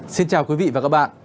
xin chào quý vị và các bạn